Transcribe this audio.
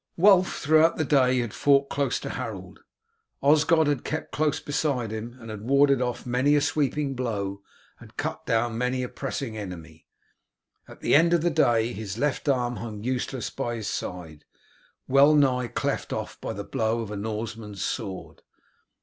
Wulf throughout the day had fought close to Harold. Osgod had kept close beside him, and had warded off many a sweeping blow and cut down many a pressing enemy. At the end of the day his left arm hung useless by his side, well nigh cleft off by the blow of a Norseman's sword.